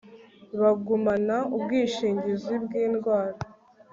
bagumana ubwishingizi bw' indwara